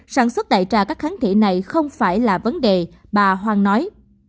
sản xuất đại trà các kháng thể này không phải là vấn đề bà hoàng nói